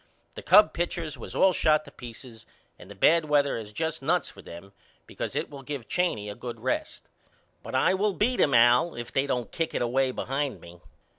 The Cub pitchers was all shot to peaces and the bad weather is just nuts for them because it will give Cheney a good rest. But I will beat him Al if they don't kick it away behind me.